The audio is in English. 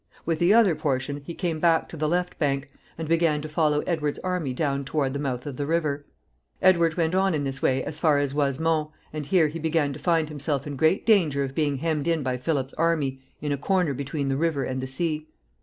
With the other portion he came back to the left bank, and began to follow Edward's army down toward the mouth of the river. Edward went on in this way as far as Oisemont, and here he began to find himself in great danger of being hemmed in by Philip's army in a corner between the river and the sea.